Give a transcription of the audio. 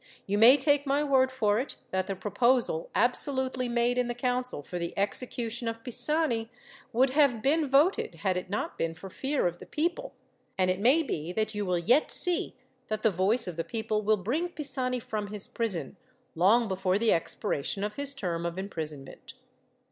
You may take my word for it, that the proposal, absolutely made in the council, for the execution of Pisani, would have been voted had it not been for fear of the people; and it may be that you will yet see, that the voice of the people will bring Pisani from his prison, long before the expiration of his term of imprisonment.